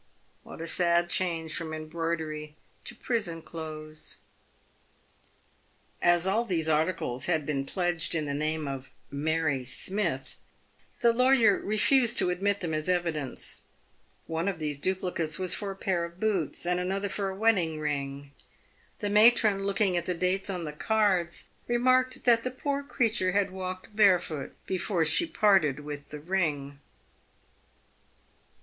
"What a sad change from embroidery to prison clothes l" As all these articles had been pledged in the name of Mary Smith, the lawyer refused to admit them as evidence. One of these duplicates was for a pair of boots, and another for a wedding ring. The matron, looking at the dates on the cards, remarked that the poor creature had walked barefoot before she parted with the ring.